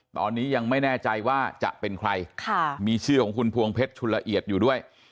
ตอนนี้ยังไม่แน่ใจว่าจะเป็นใครมีชื่อของคุณพวงเพชรชุนละเอียดอยู่ด้วย